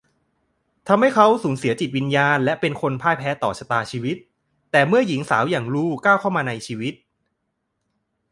ทำให้เขาสูญเสียจิตวิญญาณและเป็นคนยอมแพ้ต่อชะตาชีวิต แต่เมื่อหญิงสาวอย่าง ลู ก้าวเข้ามาในชีวิต